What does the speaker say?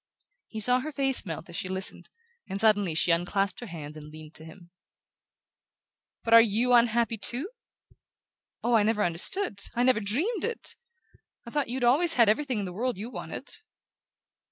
He saw her face melt as she listened, and suddenly she unclasped her hands and leaned to him. "But are YOU unhappy too? Oh, I never understood I never dreamed it! I thought you'd always had everything in the world you wanted!"